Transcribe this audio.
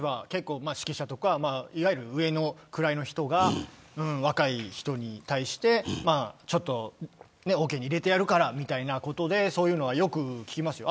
指揮者とか、いわゆる上の位の人が若い人に対してオケに入れてやるからみたいなことでそういうのはよく聞きますよ。